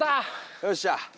よっしゃ！